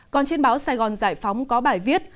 còn trên báo sài gòn giải phóng có bài viết